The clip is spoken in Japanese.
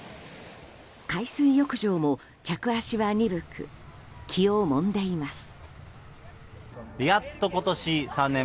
海水浴場も客足は鈍く気をもんでいます。